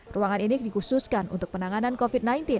ruangan ini dikhususkan untuk penanganan covid sembilan belas